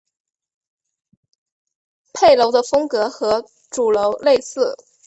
配楼的风格和主楼类似。